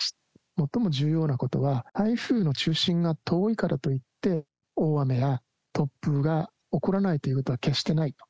最も重要なことは、台風の中心が遠いからといって、大雨や突風が起こらないということは決してないと。